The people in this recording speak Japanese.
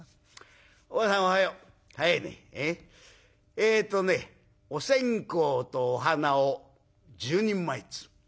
えっとねお線香とお花を１０人前ずつ。